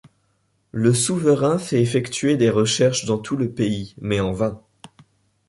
Le souverain fait effectuer des recherches dans tout le pays, mais en vain.